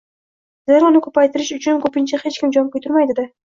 Zero uni ko‘paytirish uchun ko‘pincha hech kim jon kuydirmaydi-da.